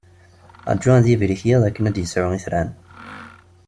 Ṛǧu ad yibrik yiḍ akken ad d-yesɛu itran.